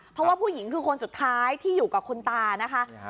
เพราะว่าผู้หญิงคือคนสุดท้ายที่อยู่กับคุณตานะคะ